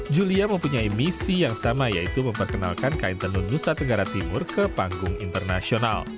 julia mempunyai misi yang sama yaitu memperkenalkan kain tenun nusa tenggara timur ke panggung internasional